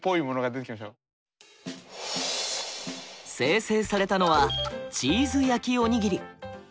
生成されたのはチーズ焼きおにぎり。